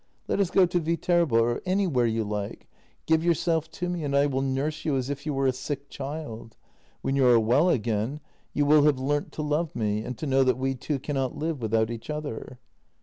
Let us go to Viterbo or anywhere you like. Give yourself to me, and I will nurse you as if you were a sick child. When you are well again you will have learnt to love me and to know that we two cannot live without each other.